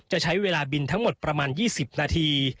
จะใช้เวลาบินทั้งหมดประมาณ๒๐นาที